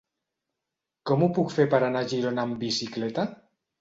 Com ho puc fer per anar a Girona amb bicicleta?